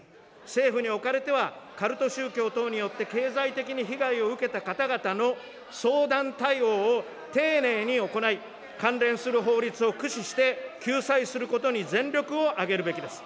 政府におかれては、カルト宗教等によって経済的に被害を受けた方々の相談対応を丁寧に行い、関連する法律を駆使して、救済することに全力を挙げるべきです。